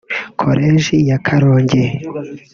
Koleji ya Karongi